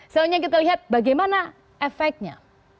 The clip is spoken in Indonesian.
selanjutnya kita lihat bagaimana efeknya